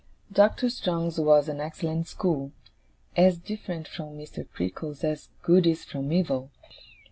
Doctor Strong's was an excellent school; as different from Mr. Creakle's as good is from evil.